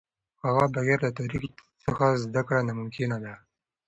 د هغه بغیر د تاریخ څخه زده کړه ناممکن ده.